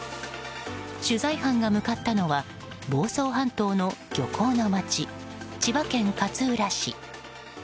取材班が向かったのは房総半島の漁港の街千葉県勝浦市。